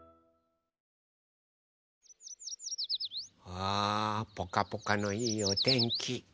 あぽかぽかのいいおてんき。